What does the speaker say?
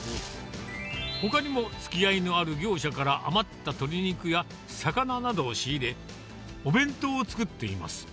ほかにもつきあいのある業者から、余った鶏肉や魚などを仕入れ、お弁当を作っています。